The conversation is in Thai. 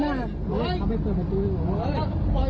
นิออน